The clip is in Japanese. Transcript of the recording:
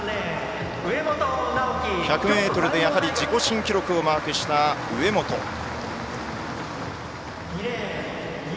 １００ｍで自己新記録をマークした植本尚輝。